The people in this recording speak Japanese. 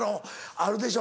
あるでしょ？